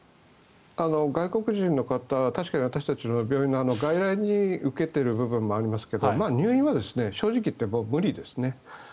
外国人の方確かに私たちの病院の外来に受けている部分もありますが入院は正直言ってもう無理ですね。